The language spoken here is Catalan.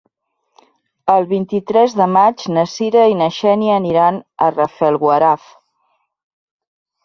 El vint-i-tres de maig na Cira i na Xènia aniran a Rafelguaraf.